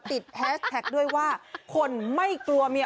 แฮชแท็กด้วยว่าคนไม่กลัวเมีย